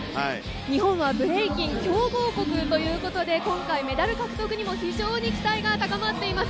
日本はブレイキン強豪国ということで、メダル獲得にも非常に期待が高まっています。